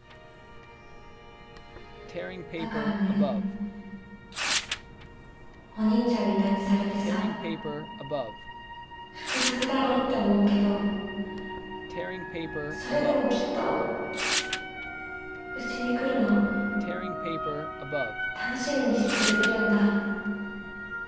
だからねお兄ちゃんみたいにされてさ複雑だろうって思うけどそれでもきっとうちに来るの楽しみにしてくれてるんだ。